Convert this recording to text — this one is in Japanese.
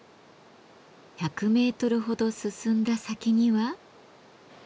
１００メートルほど進んだ先には？